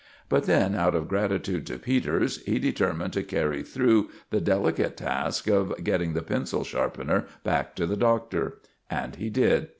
But then, out of gratitude to Peters, he determined to carry through the delicate task of getting the pencil sharpener back to the Doctor. And he did.